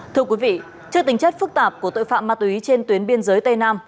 thưa quý vị trước tính chất phức tạp của tội phạm ma túy trên tuyến biên giới tây nam